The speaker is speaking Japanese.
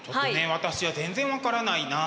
私は全然分からないな。